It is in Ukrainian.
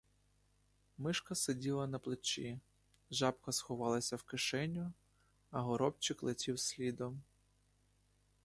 Мишка сиділа на плечі, жабка сховалася в кишеню, а горобчик летів слідом.